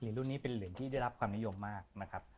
รุ่นนี้เป็นเหรียญที่ได้รับความนิยมมากนะครับ